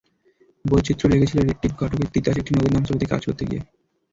বৈচিত্র্য লেগেছিল ঋত্বিক ঘটকের তিতাস একটি নদীর নাম ছবিতে কাজ করতে গিয়ে।